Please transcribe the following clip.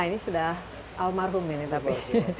ini sudah almarhum ini tapi